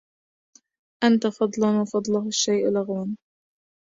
أنت فضل وفضلة الشيء لغو